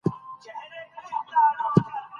تر څو د روزګان ولايت